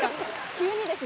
急にです。